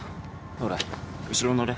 ほら後ろ乗れ。